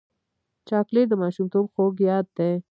چاکلېټ د ماشومتوب خوږ یاد دی.